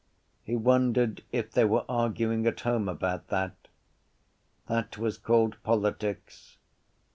He wondered if they were arguing at home about that. That was called politics.